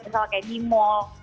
misalnya kayak di mall